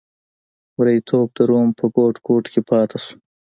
مریتوب د روم په ګوټ ګوټ کې پاتې شو.